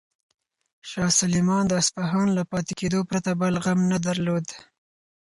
شاه سلیمان د اصفهان له پاتې کېدو پرته بل غم نه درلود.